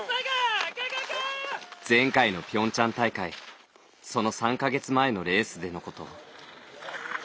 前回のピョンチャン大会その３か月前のレースでのこと。